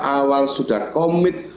saya sudah berkomitmen